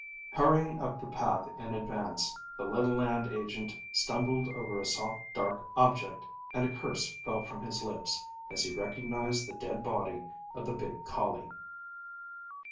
Hurrying up the path in advance, the little land agent stumbled over a soft, dark object, and a curse fell from his lips as he recognized the dead body of the big collie.